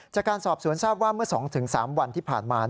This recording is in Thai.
จากการสอบสวนทราบว่าเมื่อ๒๓วันที่ผ่านมา